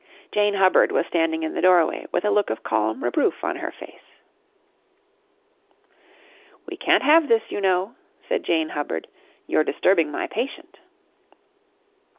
Jane Hubbard was standing in the doorway with a look of calm reproof on her face. "We can't have this, you know!" said Jane Hubbard. "You're disturbing my patient."